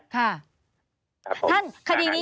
ครับครับผม